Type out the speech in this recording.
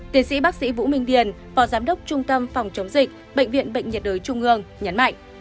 tiến sĩ bác sĩ vũ minh điền phó giám đốc trung tâm phòng chống dịch bệnh viện bệnh nhiệt đới trung ương nhấn mạnh